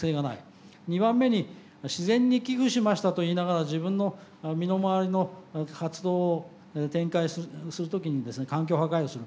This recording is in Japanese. ２番目に自然に寄付しましたと言いながら自分の身の回りの活動を展開する時に環境破壊をする。